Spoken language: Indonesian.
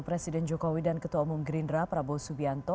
presiden jokowi dan ketua umum gerindra prabowo subianto